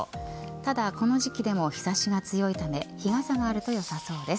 ただ、この時期でも日差しが強いため日傘があるとよさそうです。